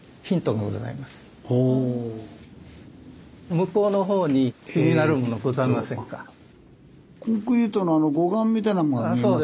向こうのほうにコンクリートの護岸みたいなものが見えます。